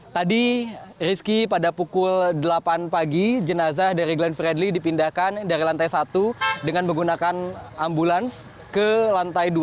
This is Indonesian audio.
tadi rizky pada pukul delapan pagi jenazah dari glenn fredly dipindahkan dari lantai satu dengan menggunakan ambulans ke lantai dua